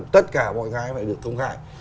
tất cả mọi cái phải được công khai